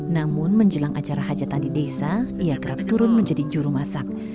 namun menjelang acara hajatan di desa ia kerap turun menjadi juru masak